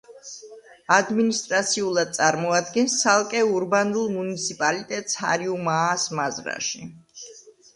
ადმინისტრაციულად წარმოადგენს ცალკე ურბანულ მუნიციპალიტეტს ჰარიუმაას მაზრაში.